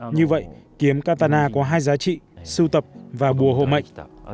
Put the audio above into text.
như vậy kiếm katana có hai giá trị sưu tập và bùa hồ mệnh